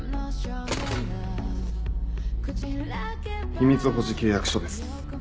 秘密保持契約書です。